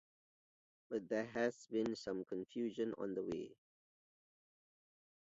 But there has been some confusion on the way.